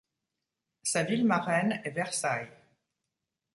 Sa ville marraine est Versailles.